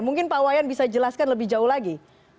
mungkin pak wayan bisa jelaskan lebih jauh lagi